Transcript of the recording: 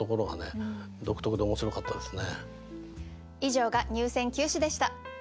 以上が入選九首でした。